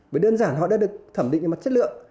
bởi đơn giản họ đã được thẩm định về mặt chất lượng